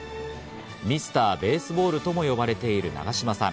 ミスター・ベースボールとも呼ばれている長嶋さん。